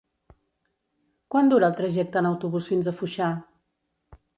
Quant dura el trajecte en autobús fins a Foixà?